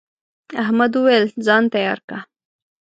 احمد وويل: ځان تیار که.